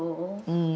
うん。